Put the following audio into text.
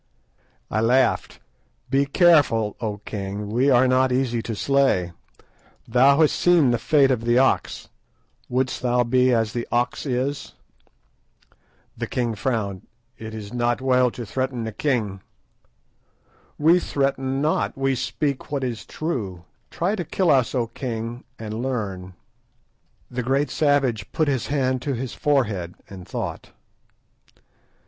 I laughed. "Be careful, O king, we are not easy to slay. Thou hast seen the fate of the ox; wouldst thou be as the ox is?" The king frowned. "It is not well to threaten a king." "We threaten not, we speak what is true. Try to kill us, O king, and learn." The great savage put his hand to his forehead and thought.